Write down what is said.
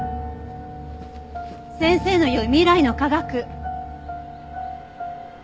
先生の言う未来の科学。